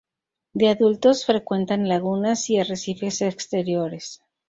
De adultos frecuentan lagunas y arrecifes exteriores.